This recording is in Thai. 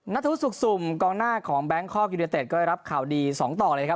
ธุสุขสุ่มกองหน้าของแบงคอกยูเนเต็ดก็ได้รับข่าวดี๒ต่อเลยครับ